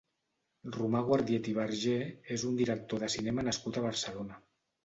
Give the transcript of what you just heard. Romà Guardiet i Bergé és un director de cinema nascut a Barcelona.